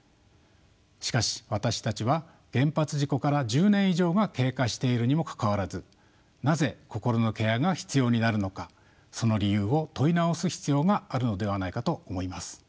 しかし私たちは原発事故から１０年以上が経過しているにもかかわらずなぜ心のケアが必要になるのかその理由を問い直す必要があるのではないかと思います。